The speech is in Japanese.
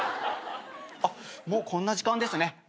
あっもうこんな時間ですね。